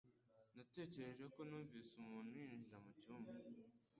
Natekereje ko numvise umuntu yinjira mucyumba